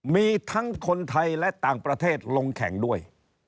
มีทั้งคนไทยและต่างประเทศลงแข่งด้วย